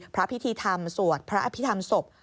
พระพิธีธรรมสวดพระอภิษฐรรมศพ